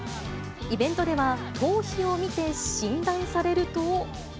イベントでは、頭皮を見て診断されると。